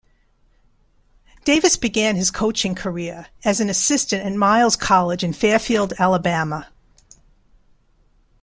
Davis began his coaching career as an assistant at Miles College in Fairfield, Alabama.